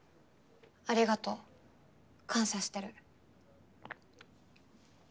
ありがとう感謝してる。